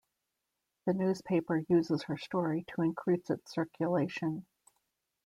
The newspaper uses her story to increase its circulation.